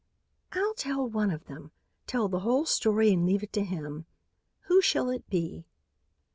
"I'll tell one of them; tell the whole story and leave it to him. Who shall it be?"